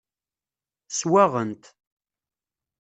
Swaɣen-t.